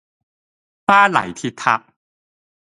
巴黎鐵塔